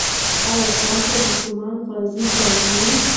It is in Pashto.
ايا ستاسې ماشومان ښوونځي ته ځي؟